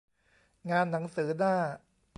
งานหนังสือหน้า